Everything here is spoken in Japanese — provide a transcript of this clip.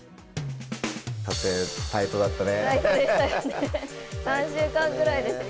撮影、タイトだったね。